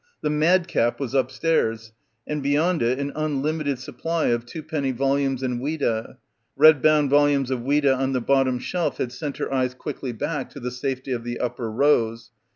"The Madcap" was upstairs, and be j yond it an unlimited supply of twopenny volumes and Ouida. Red bound volumes of Ouida on the \ bottom shelf had sent her eyes quickly back to the safety of the upper rows.